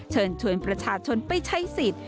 เชิญชวนประชาชนไปใช้สิทธิ์